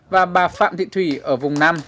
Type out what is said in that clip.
và bà phạm thị thủy ở vùng năm